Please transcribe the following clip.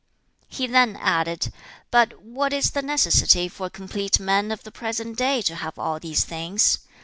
2. He then added, 'But what is the necessity for a complete man of the present day to have all these things?